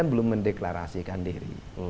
belum mendeklarasikan diri